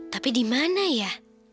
tapi di mana ya